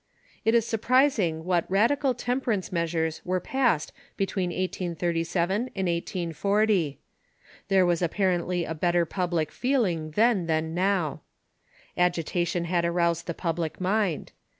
It is surprising what radical temperance measures were passed between 1837 and 1840. Thex'e was apparently a better pub lic feeling then than now. Agitation had aroused the public mind.